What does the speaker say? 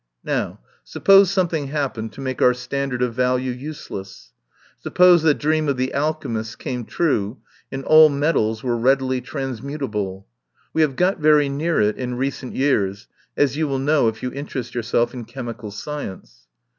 "Now, suppose something happened to make our standard of value useless. Suppose the dream of the alchemists came true, and all metals were readily transmutable. We have got very near it in recent years, as you will know if you interest yourself in chemical sci ence.